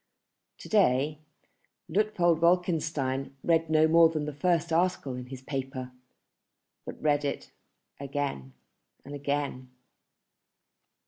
To day Luitpold Wolkenstein read no more than the first article in his paper, but read it again and again.